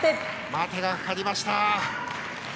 待てがかかりました。